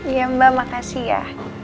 iya mbak makasih ya